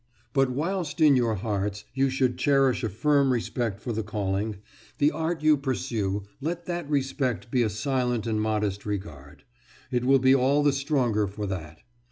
But, whilst in your hearts you should cherish a firm respect for the calling, the art you pursue, let that respect be a silent and modest regard; it will be all the stronger for that.